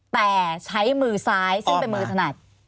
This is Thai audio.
แต่ใช้มือซ้าย